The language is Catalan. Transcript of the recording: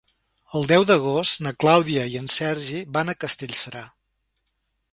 El deu d'agost na Clàudia i en Sergi van a Castellserà.